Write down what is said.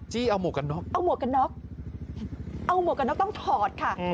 เอาหมวกกันน็อกเอาหมวกกันน็อกเอาหมวกกันน็อกต้องถอดค่ะ